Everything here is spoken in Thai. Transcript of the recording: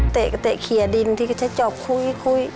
เตะเขียดดินที่จะจบคุยคุย